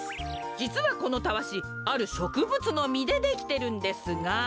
じつはこのタワシあるしょくぶつのみでできてるんですが。